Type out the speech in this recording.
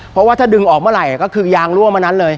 เพราะว่าถ้าดึงออกเมื่อไหร่ก็คือยางรั่วมานั้นเลย